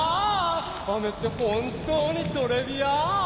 雨って本当にトレビアーン！